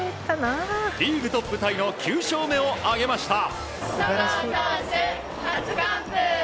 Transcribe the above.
リーグトップタイの９勝目を挙げました。